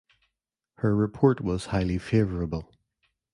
Her report was highly favourable.